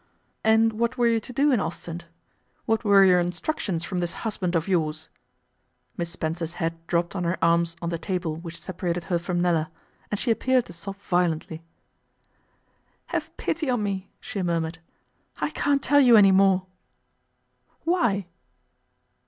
'And what were you to do in Ostend? What were your instructions from this husband of yours?' Miss Spencer's head dropped on her arms on the table which separated her from Nella, and she appeared to sob violently. 'Have pity on me,' she murmured, 'I can't tell you any more.' 'Why?